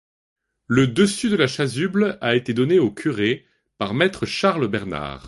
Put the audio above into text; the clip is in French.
Le dessus de la chasuble a été donné au curé par maître Charles Bernard.